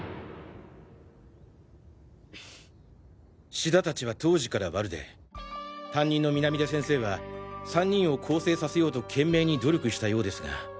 志田たちは当時からワルで担任の南出先生は３人を更生させようと懸命に努力したようですが。